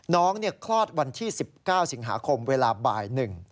คลอดวันที่๑๙สิงหาคมเวลาบ่าย๑